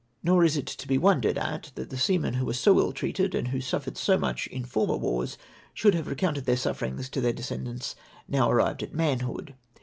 Nor is it to be Avondered at that seamen who were so ill treated, and who suffered so much in former wars, should have recounted their sufferings to their descendants, now arrived at man hood.